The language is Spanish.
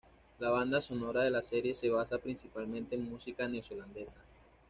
La banda sonora de la serie se basa principalmente en música neozelandesa.